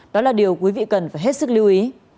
đó là điều quý vị cần phải hết sức lưu ý